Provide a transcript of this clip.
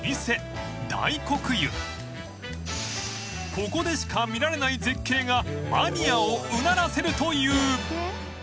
［ここでしか見られない絶景がマニアをうならせるという］